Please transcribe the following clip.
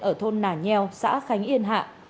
ở thôn nà nheo xã khánh yên hạ